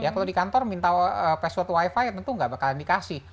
kalau di kantor minta password wifi tentu nggak bakalan dikasih